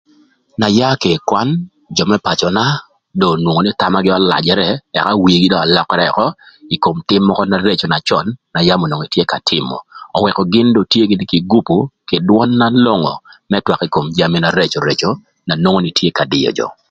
Na yaa kï ï kwan, jö më pacöna, do onwongo nï thamagï ölajërë, ëka wigï do ölökërë ökö ï kom tïm mökö na reco na cön na yam onwongo etye ka tïmö, öwëkö gïn do tye kï gupu, kï dwön na longo, n'ëtwakö ï kom jami na reco reco, na nwongo nï tye ka dïö jö.